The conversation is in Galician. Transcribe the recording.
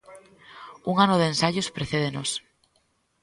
Un ano de ensaios precédenos.